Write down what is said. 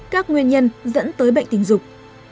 các nguyên nhân dẫn tới bệnh tình dục